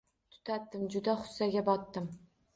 Tutatdim juda g‘ussaga botdim.